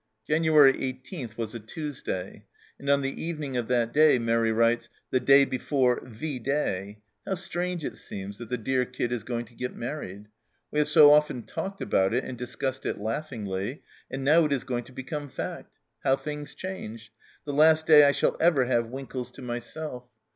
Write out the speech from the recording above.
January 18 was a Tuesday, and on the evening of that day Mairi writes :" The day before THE DAY ! How strange it seems that the dear kid is going to get married ! We have so often talked about it and discussed it laughingly, and now it is going to become fact. How things change ! The last day I shall ever have Winkles to myself